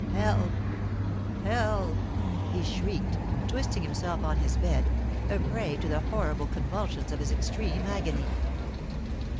Help, help!" he shrieked, twisting himself on his bed, a prey to the horrible convulsions of his extreme agony.